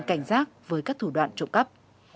cảnh giác với các thủ đoạn trộm cắp